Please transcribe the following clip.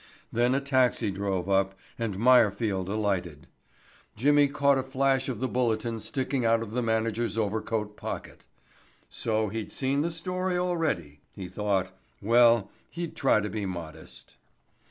Then a taxi drove up and Meyerfield alighted. Jimmy caught a flash of the Bulletin sticking out of the manager's overcoat pocket. So he'd seen the story already, he thought. Well, he'd try to be modest.